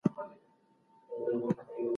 مرګ حق دی او هر څوک یې څکي.